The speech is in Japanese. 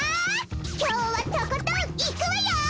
きょうはとことんいくわよ！